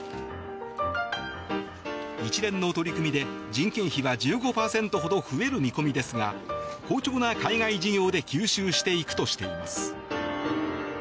一連の取り組みで、人件費は１５％ほど増える見込みですが好調な海外事業で吸収していくとしています。